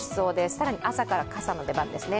更に朝から傘の出番ですね。